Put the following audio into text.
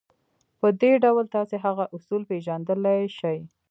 په دې ډول تاسې هغه اصول پېژندلای شئ.